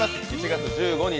７月１５日